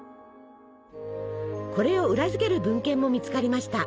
これを裏付ける文献も見つかりました。